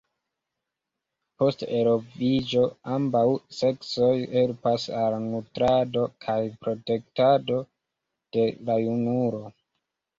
Post eloviĝo, ambaŭ seksoj helpas al nutrado kaj protektado de la junulo.